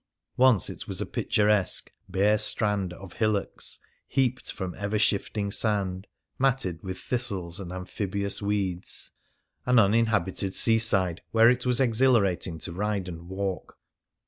Once it was a picturesque ^'.,. bare strand Of hillocks heaped from ever shifting sand, Matted with thistles and amphibious weeds," ... an uninhabited seaside where it was exhilarat ing to ride and walk.